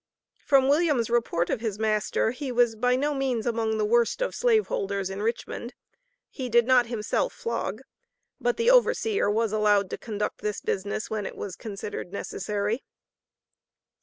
From William's report of his master, he was by no means among the worst of slave holders in Richmond; he did not himself flog, but the overseer was allowed to conduct this business, when it was considered necessary.